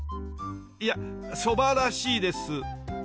いやそばらしいです。